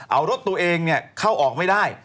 เอารถตัวเองเข้าออกไม่ได้